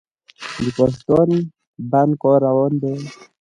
د پاشدان بند کار روان دی؟